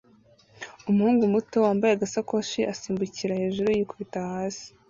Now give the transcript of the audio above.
Umuhungu muto wambaye agasakoshi asimbukira hejuru yikubita hasi